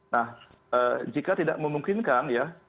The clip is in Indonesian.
nah jika tidak memungkinkan ya